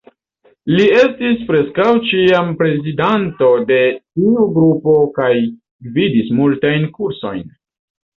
Li estis preskaŭ ĉiam prezidanto de tiu grupo kaj gvidis multajn kursojn.